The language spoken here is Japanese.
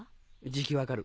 じき分かる。